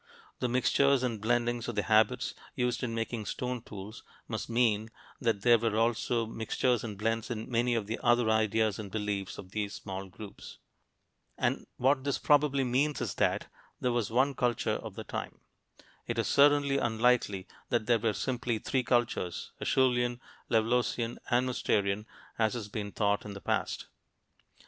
The mixtures and blendings of the habits used in making stone tools must mean that there were also mixtures and blends in many of the other ideas and beliefs of these small groups. And what this probably means is that there was no one culture of the time. It is certainly unlikely that there were simply three cultures, "Acheulean," "Levalloisian," and "Mousterian," as has been thought in the past.